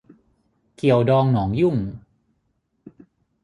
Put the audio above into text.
เกี่ยวดองหนองยุ่ง